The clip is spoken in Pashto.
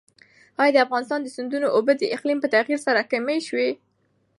ایا د افغانستان د سیندونو اوبه د اقلیم په تغیر سره کمې شوي؟